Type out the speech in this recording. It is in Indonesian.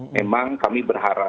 memang kami berharap